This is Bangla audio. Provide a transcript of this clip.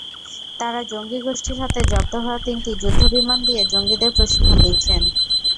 তাঁরা জঙ্গিগোষ্ঠীর হাতে জব্দ হওয়া তিনটি যুদ্ধবিমান দিয়ে জঙ্গিদের প্রশিক্ষণ দিচ্ছেন।